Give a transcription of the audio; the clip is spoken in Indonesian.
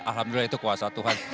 alhamdulillah itu kuasa tuhan